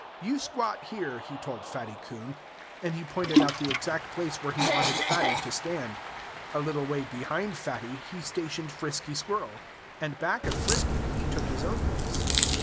"You squat here," he told Fatty Coon. And he pointed out the exact place where he wanted Fatty to stand. A little way behind Fatty, he stationed Frisky Squirrel. And back of Frisky he took his own place.